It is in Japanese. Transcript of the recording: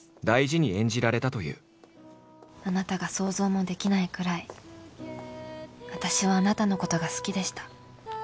「あなたが想像もできないくらい私はあなたのことが好きでした」。